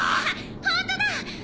ホントだ！